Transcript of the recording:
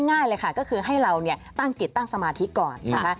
ง่ายเลยค่ะก็คือให้เราตั้งกิจตั้งสมาธิก่อนนะคะ